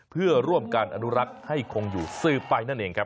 เพื่อร่วมการอนุรักษ์ให้คงอยู่สืบไปนั่นเองครับ